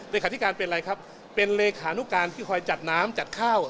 เลขาธิการเป็นอะไรครับเป็นเลขานุการที่คอยจัดน้ำจัดข้าว